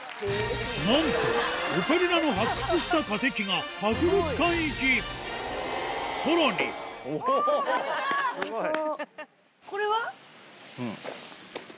なんとオカリナの発掘した化石が博物館行きさらにおぉ割れた！